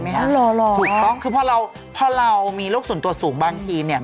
เออคืออะไรอย่างนั้น